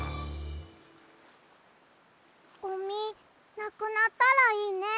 ゴミなくなったらいいね。